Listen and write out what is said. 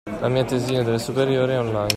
La mia tesina delle superiori è online.